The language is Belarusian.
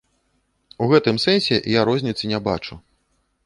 У гэтым сэнсе я розніцы не бачу.